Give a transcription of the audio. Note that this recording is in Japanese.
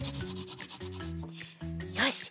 よし！